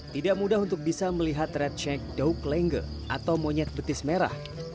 tidak mudah untuk bisa melihat red shag doak lenge atau monyet betis merah